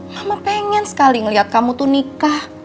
mama pengen sekali ngelihat kamu tuh nikah